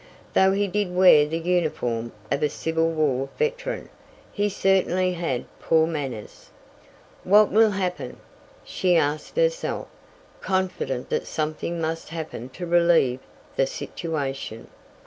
Though he did wear the uniform of a Civil War veteran, he certainly had poor manners. "What will happen?" she asked herself, confident that something must happen to relieve the situation.